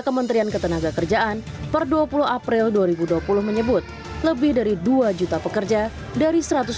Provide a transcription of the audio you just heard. kementerian ketenagakerjaan per dua puluh april dua ribu dua puluh menyebut lebih dari dua juta pekerja dari satu ratus enam belas